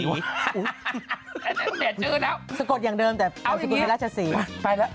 แต่จื้อแล้วเอาอย่างนี้สกดอย่างเดิมแต่อาจารย์รัชศรี